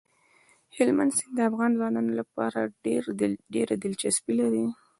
هلمند سیند د افغان ځوانانو لپاره ډېره دلچسپي لري.